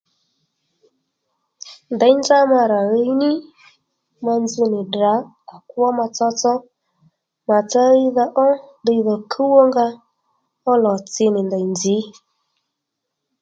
Děy nzá ma rà hiy ní ma nzz nì Ddrà à kwo ma tsotso matsá híydha ó ddiydhò kúw ó nga ó lò tsi nì ndèy nzǐ